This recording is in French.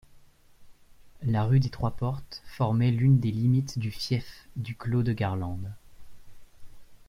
La rue des Trois-Portes formait l'une des limites du fief du clos de Garlande.